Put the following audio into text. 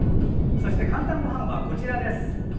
そして「かんたんごはん」はこちら。